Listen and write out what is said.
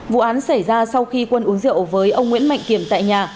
vụ án xảy ra sau khi quân uống rượu với ông nguyễn mạnh kiểm tại nhà